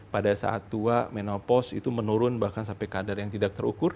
pada saat tua menopos itu menurun bahkan sampai kadar yang tidak terukur